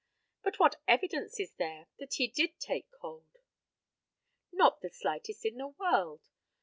But what evidence is there that he did take cold? Not the slightest in the world.